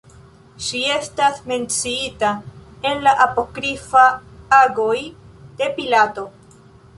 Ŝi estas menciita en la apokrifaj Agoj de Pilato.